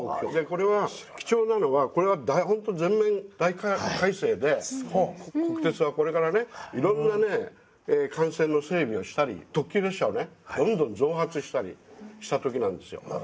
これは貴重なのはこれはホント全面大改正で国鉄がこれからねいろんなね幹線の整備をしたり特急列車をねどんどん増発したりした時なんですよ。